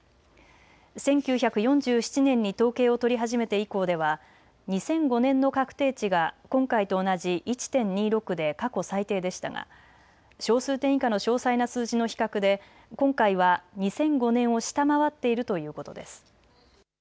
１９４７年に統計を取り始めて以降では２００５年の確定値が今回と同じ１．２６で過去最低でしたが小数点以下の詳細な数字の比較で今回は２００５年を下回っているということです。